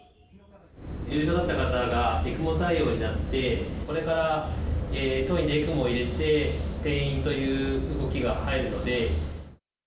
重症だった方が、ＥＣＭＯ対応になって、これから当院でＥＣＭＯを入れて、転院という動きが入るので。